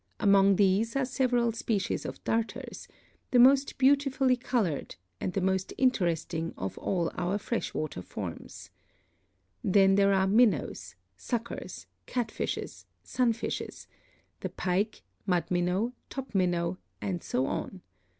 Among these are several species of Darters, the most beautifully colored and the most interesting of all our fresh water forms. Then there are Minnows, Suckers, Catfishes, Sunfishes, the Pike, Mud Minnow, Top Minnow, and so on.